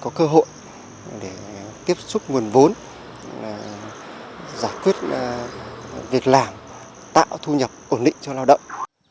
có cơ hội để tiếp xúc nguồn vốn giải quyết việc làm tạo thu nhập ổn định cho lao động